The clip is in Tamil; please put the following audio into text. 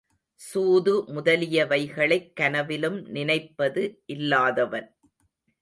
சூது முதலியவைகளைக் கனவிலும் நினைப்பது இல்லாதவன்.